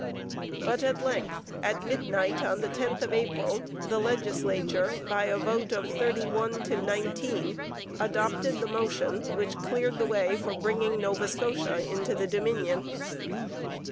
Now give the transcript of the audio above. But at length, at midnight of the 10th of April, the legislature, by a vote of thirty one to nineteen, adopted the motion which cleared the way for bringing Nova Scotia into the Dominion.